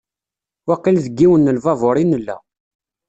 Waqil deg yiwen n lbabur i nella.